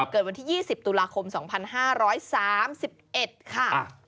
เกิดวันที่๒๐ตุลาคม๒๕๓๑ค่ะ